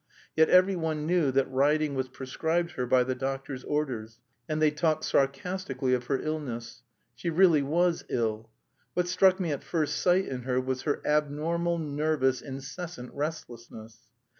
Yet every one knew that riding was prescribed her by the doctor's orders, and they talked sarcastically of her illness. She really was ill. What struck me at first sight in her was her abnormal, nervous, incessant restlessness.